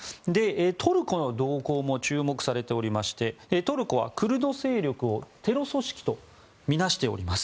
トルコの動向も注目されておりましてトルコはクルド勢力をテロ組織とみなしております。